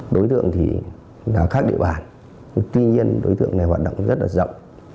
đối tượng thì là khách địa bàn tuy nhiên đối tượng này hoạt động rất là rộng